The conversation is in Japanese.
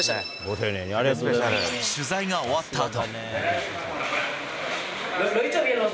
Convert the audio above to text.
取材が終わったあと。